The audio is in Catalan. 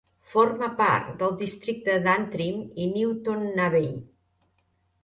Forma part del districte d'Antrim i Newtownabbey.